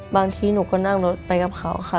บางทีหนูก็นั่งรถไปกับเขาค่ะ